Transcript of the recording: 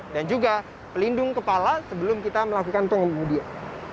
dan juga pelindung kepala sebelum kita melakukan pengundian